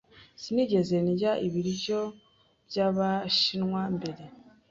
Sinigeze ndya ibiryo by'Abashinwa mbere.